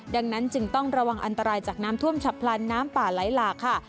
ดังนั้นจึงต้องระวังอันตรายจากน้ำท่วมฉับพลันน้ำป่าไหลหลากค่ะ